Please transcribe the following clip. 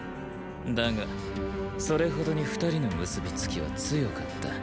だがそれほどに二人の結びつきは強かった。